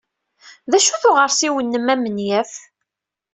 D acu-t uɣersiw-nnem amenyaf?